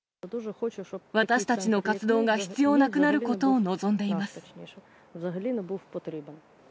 私たちの活動が必要なくなることを望んでいます。